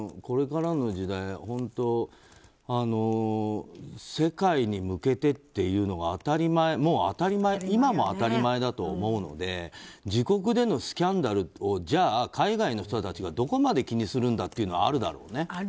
これからの時代世界に向けてっていうのがもう当たり前今も当たり前だと思うので自国でのスキャンダルをじゃあ、海外の人たちがどこまで気にするんだというのはあるだろうね。